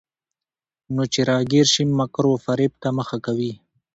نو چې راګېره شي، مکر وفرېب ته مخه کوي.